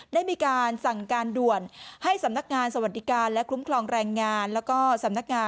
ได้มีการสั่งการด่วนให้สำนักงานสวัสดิการและคลุมครองแรงงาน